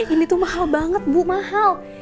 ini tuh mahal banget bu mahal